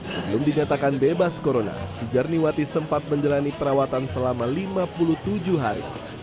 sebelum dinyatakan bebas corona sujarniwati sempat menjalani perawatan selama lima puluh tujuh hari